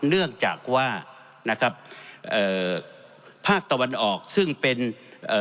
เนื่องจากว่านะครับเอ่อภาคตะวันออกซึ่งเป็นเอ่อ